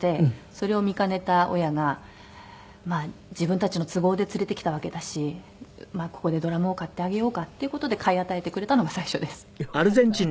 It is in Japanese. それを見兼ねた親がまあ自分たちの都合で連れてきたわけだしここでドラムを買ってあげようかっていう事で買い与えてくれたのが最初です。